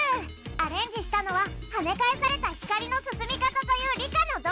アレンジしたのは「はねかえされた光の進み方」という理科の動画クリップ！